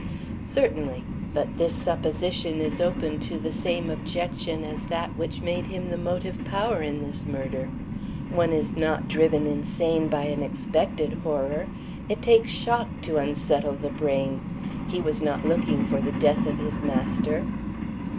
"Certainly; but this supposition is open to the same objection as that which made him the motive power in this murder. One is not driven insane by an expected horror. It takes shock to unsettle the brain. He was not looking for the death of his master."